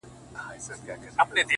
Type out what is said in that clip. په يوه جـادو دي زمـــوږ زړونه خپل كړي،